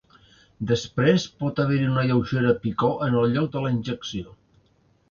Després, pot haver-hi una lleugera picor en el lloc de la injecció.